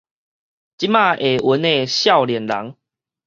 這馬下勻的少年人